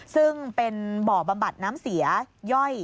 ซึ่งเป็นบ่อบำบัดน้ำเสียย่อย